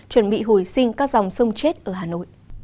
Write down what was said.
chuẩn bị hồi sinh các dòng sông chết ở hà nội